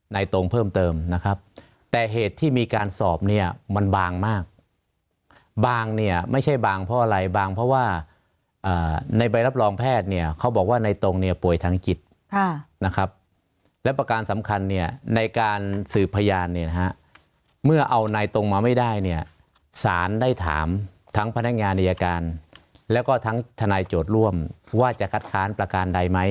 ตรงเพิ่มเติมนะครับแต่เหตุที่มีการสอบเนี่ยมันบางมากบางเนี่ยไม่ใช่บางเพราะอะไรบางเพราะว่าในใบรับรองแพทย์เนี่ยเขาบอกว่าในตรงเนี่ยป่วยทางจิตนะครับและประการสำคัญเนี่ยในการสืบพยานเนี่ยนะฮะเมื่อเอานายตรงมาไม่ได้เนี่ยสารได้ถามทั้งพนักงานอายการแล้วก็ทั้งทนายโจทย์ร่วมว่าจะคัดค้านประการใดไหม